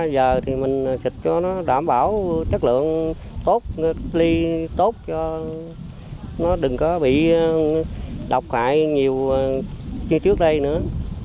giờ thì mình xịt cho nó đảm bảo chất lượng tốt ly tốt cho nó đừng có bị độc hại nhiều như trước đây nữa